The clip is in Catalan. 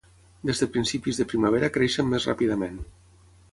Des de principis de primavera creixen més ràpidament.